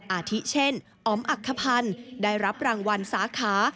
อาทิเช่นอ๋อมอักขพันธ์ได้รับรางวัลสาขา